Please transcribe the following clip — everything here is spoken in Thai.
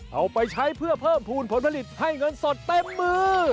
เอาไปใช้เพื่อเพิ่มภูมิผลผลิตให้เงินสดเต็มมือ